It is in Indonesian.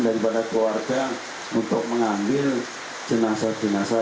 daripada keluarga untuk mengambil jenazah jenazah